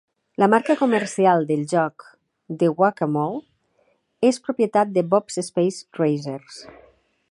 La marca comercial del joc The Whac-A-Mole és propietat de Bob's Space Racers.